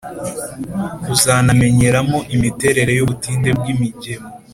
Uzanamenyeramo imiterere y’ubutinde bw’imigemo